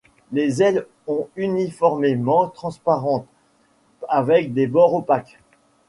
Les ailes ont uniformément transparentes avec des bords opaques.